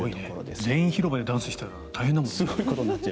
全員、広場でダンスしたら大変だね。